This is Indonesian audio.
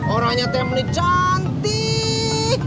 orangnya ternyata cantiiiiiii